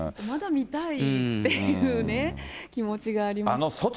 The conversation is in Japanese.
まだ見たいっていうね、気持ちがあります。